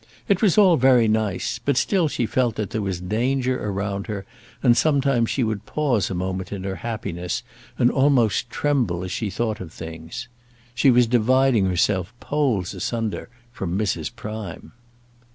It was all very nice; but still she felt that there was danger around her, and sometimes she would pause a moment in her happiness, and almost tremble as she thought of things. She was dividing herself poles asunder from Mrs. Prime.